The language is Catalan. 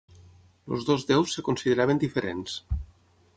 Els dos deus es consideraven diferents.